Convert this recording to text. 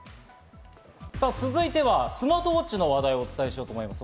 続いてはスマートウォッチの話題をお伝えしようと思います。